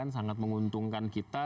sangat menguntungkan kita